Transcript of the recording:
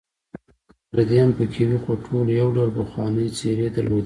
که پردي هم پکې وې، خو ټولو یو ډول پخوانۍ څېرې درلودې.